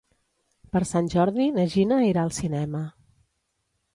Per Sant Jordi na Gina irà al cinema.